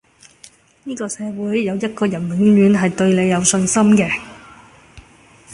呢個社會有一個人永遠係對你有信心嘅